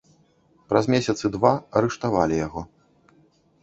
Праз месяцы два арыштавалі яго.